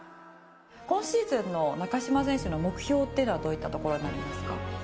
今シーズンの中島選手の目標っていうのはどういったところになりますか？